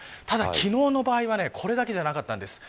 ただ昨日の場合はこれだけじゃなかったんです。